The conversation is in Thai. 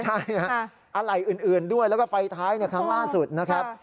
ใช่ฮะอะไรอื่นด้วยแล้วก็ไฟท้ายครั้งล่าสุดนะครับ